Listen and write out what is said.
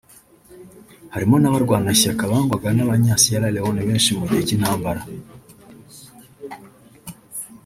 harimo n’abarwanashyaka bangwaga n’abanya-Sierra-Léone benshi mu gihe cy’intambara